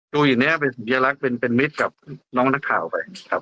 ดูอย่างนี้เป็นสัญลักษณ์เป็นมิตรกับน้องนักข่าวไปครับ